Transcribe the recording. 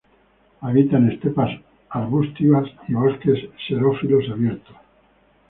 Habita en estepas arbustivas y bosques xerófilos abiertos.